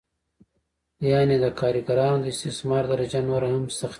یانې د کارګرانو د استثمار درجه نوره هم سختېږي